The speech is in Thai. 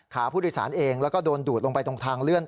ขาผู้โดยสารเองแล้วก็โดนดูดลงไปตรงทางเลื่อน